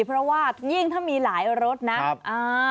เพราะว่ายิ่งถ้ามีหลายรถนะครับ